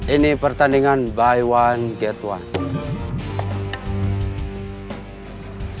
ini pertandingan buy one get one